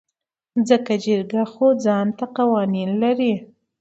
ځکه جرګه خو ځانته قوانين لري .